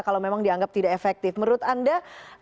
kalau memang dianggap tidak efektif menurut anda